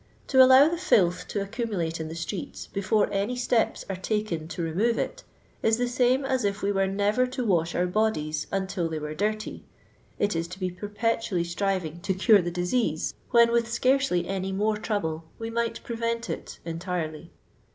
To allow the filth to accumulate in the streets before any steps are taken to remove it, is the same as if we were never to wash our bodies until they were dirty — it is to be perpetually striving to cure the disease. when with learcely any more trouble we might prevent it entirely.